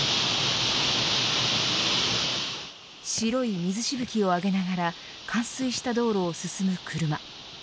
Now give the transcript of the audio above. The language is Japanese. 白い水しぶきを上げながら冠水した道路を進む車。